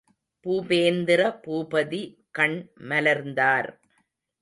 பூபேந்திர பூபதி கண் மலர்ந்தார்.